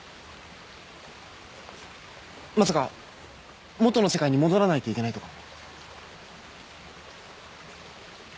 まさか元の世界に戻らないといけないとか？